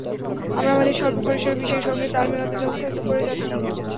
আমরা আমাদের স্বল্প পরিসরেই বিশ্বের সঙ্গে তাল মেলাতে যথাসাধ্য কাজ করে যাচ্ছি।